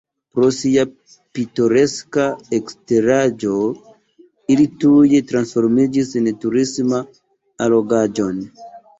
Pro sia pitoreska eksteraĵo ili tuj transformiĝis en turisman allogaĵon.